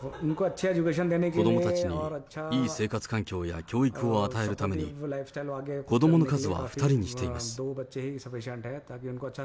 子どもたちにいい生活環境や教育を与えるために、子どもの数は２人にしています。